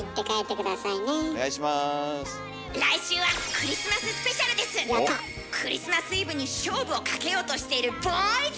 クリスマスイブに勝負をかけようとしているボーイズ！